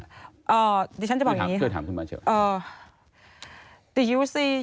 อ่าดิฉันจะบอกอย่างนี้ฮะ